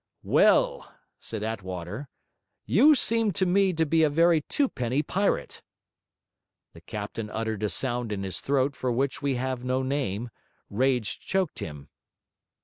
'Well,' said Attwater, 'you seem to me to be a very twopenny pirate!' The captain uttered a sound in his throat for which we have no name; rage choked him.